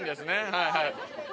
はいはい。